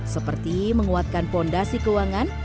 seperti menguatkan fondasi keuangan